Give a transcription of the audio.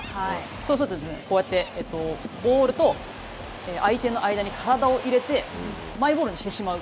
そうすると、こうやって、ボールと相手の間に体を入れてマイボールにしてしまう。